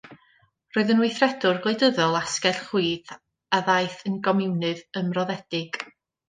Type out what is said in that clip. Roedd yn weithredwr gwleidyddol asgell chwith a ddaeth yn gomiwnydd ymroddedig.